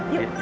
yuk sip ya